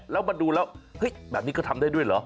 แล้วมาดูแล้วเฮ้ยแบบนี้ก็ทำได้ด้วยเหรอ